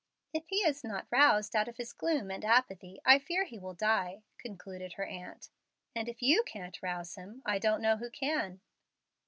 "If he is not roused out of his gloom and apathy, I fear he will die," concluded her aunt; "and if you can't rouse him, I don't know who can."